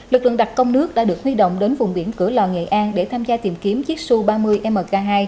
lực lượng đặc công nước đã được huy động đến vùng biển cửa lò nghệ an để tham gia tìm kiếm chiếc xu ba mươi mk hai